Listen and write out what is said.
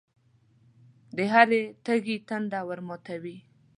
د هر تږي تنده ورماتوي.